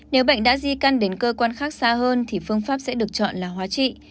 nếu bệnh đã di căn đến cơ quan khác xa hơn thì phương pháp sẽ được chọn là hóa trị